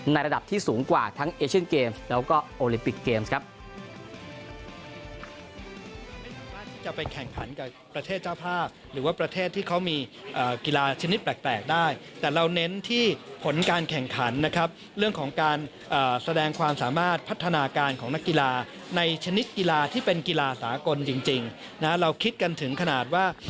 ระดับที่สูงกว่าทั้งเอเชียนเกมส์แล้วก็โอลิมปิกเกมส์ครับ